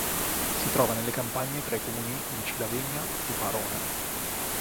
Si trova nelle campagne tra i comuni di Cilavegna e Parona.